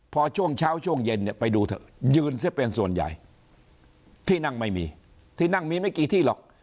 พอช่วงเช้าช่วงเย็นเนี่ยไปดูเถอะยืนเสียเป็นส่วนใหญ่ที่นั่งไม่มีที่นั่งมีไม่กี่ที่หรอก